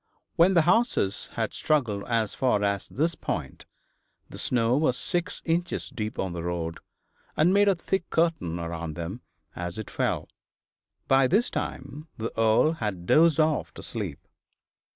When the horses had struggled as far as this point, the snow was six inches deep on the road, and made a thick curtain around them as it fell. By this time the Earl had dozed off to sleep.